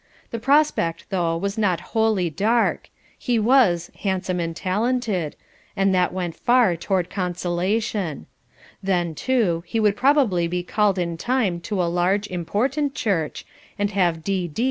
The prospect, though, was not wholly dark, he was "handsome and talented," and that went far toward consolation; then, too, he would probably be called in time to a large, important church, and have D.D.